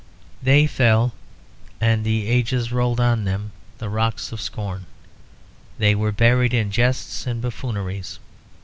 They fell, and the ages rolled on them the rocks of scorn; they were buried in jests and buffooneries.